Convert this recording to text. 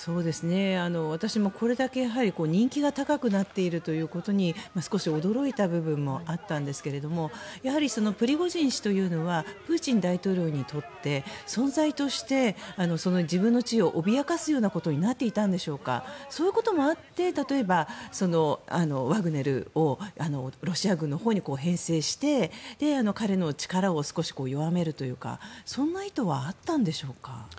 私もこれだけ人気が高くなっているということに少し驚いた部分もあったんですがやはり、プリゴジン氏というのはプーチン大統領にとって存在として自分の地位を脅かすようなことになっていたのでしょうか。そういうこともあって例えば、ワグネルをロシア軍のほうに編成して彼の力を少し弱めるというかそんな意図はあったんでしょうか。